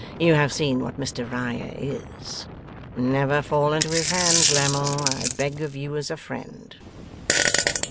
You have seen what Mr Riah is. Never fall into his hands, Lammle, I beg of you as a friend!